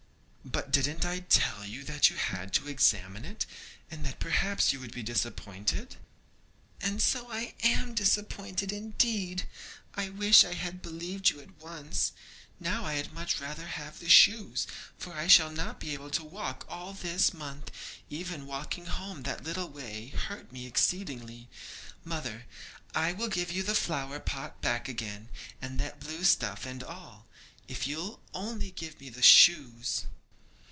'But didn't I tell you that you had not examined it, and that perhaps you would be disappointed?' 'And so I am disappointed, indeed. I wish I had believed you at once. Now I had much rather have the shoes, for I shall not be able to walk all this month; even walking home that little way hurt me exceedingly. Mother, I will give you the flower pot back again, and that blue stuff and all, if you'll only give me the shoes.'